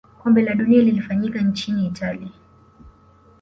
kombe la dunia lilifanyika nchini itali